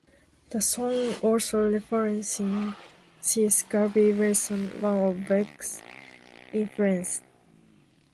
The song also references Gary Wilson, one of Beck's influences.